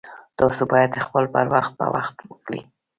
تاسو باید خپل پر وخت په وخت وکړئ